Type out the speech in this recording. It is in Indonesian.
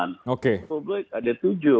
di publik ada tujuh